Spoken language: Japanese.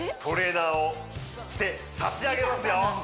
トレーナーをしてさしあげますよ